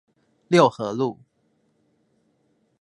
六和路